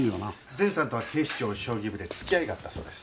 善さんとは警視庁将棋部で付き合いがあったそうです。